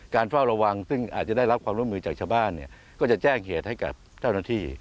เฝ้าระวังซึ่งอาจจะได้รับความร่วมมือจากชาวบ้านเนี่ยก็จะแจ้งเหตุให้กับเจ้าหน้าที่